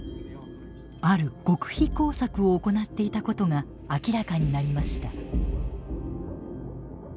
ある極秘工作を行っていたことが明らかになりました。